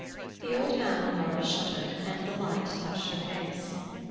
The old man unbarred a shutter and the light touched her face.